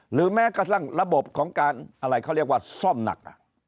หรือแม้กระทั่งระบบของการอะไรเขาเรียกว่าซ่อมหนัก